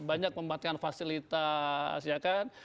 banyak mematikan fasilitas ya kan